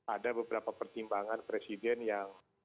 ada beberapa pertimbangan presiden yang